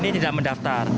untuk ini tidak mendaftar